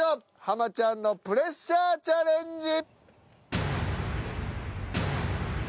ハマちゃんのプレッシャーチャレンジ。